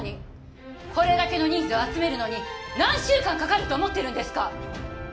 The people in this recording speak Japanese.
これだけの人数を集めるのに何週間かかると思ってるんですか